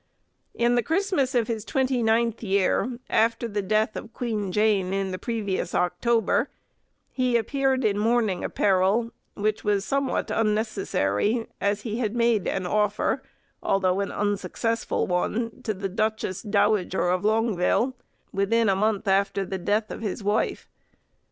In the Christmas of his twenty ninth year, after the death of Queen Jane in the previous October, he appeared in mourning apparel, which was somewhat unnecessary, as he had made an offer, although an unsuccessful one, to the Duchess Dowager of Longueville, within a month after the death of his wife.